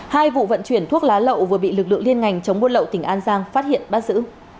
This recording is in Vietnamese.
hai vụ vận chuyển thuốc lá lậu vừa bị lực lượng liên ngành chống buôn lậu tỉnh an giang phát hiện bắt giữ